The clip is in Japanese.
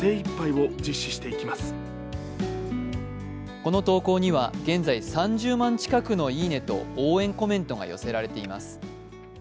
この投稿には、現在３０万近くのいいねと応援コメントが寄せられています。